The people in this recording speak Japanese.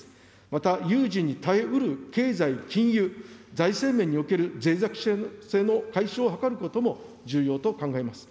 また有事に耐えうる経済、金融、財政面におけるぜい弱性の解消を図ることも重要と考えます。